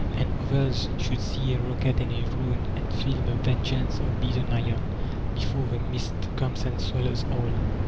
And others should see a rocket and a ruin, and A Rocket of Ikon 413 feel the Vengeance of Beaten Iron, before the mist comes and swallows all.